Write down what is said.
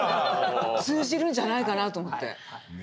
通じるんじゃないかなと思って。